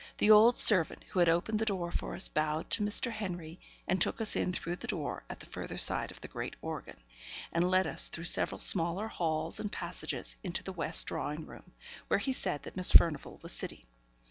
The old servant, who had opened the door for us, bowed to Mr. Henry, and took us in through the door at the further side of the great organ, and led us through several smaller halls and passages into the west drawing room, where he said that Miss Furnivall was sitting.